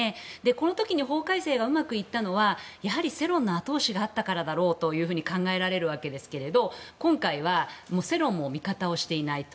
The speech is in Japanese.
この時に法改正がうまくいったのはやはり世論の後押しがあったからだろうと考えられるわけですけれど今回は世論も味方をしていないと。